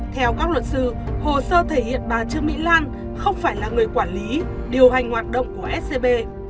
theo các luật sư hồ sơ thể hiện bà trương mỹ lan không phải là người quản lý điều hành hoạt động của scb